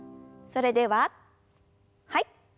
それでははい。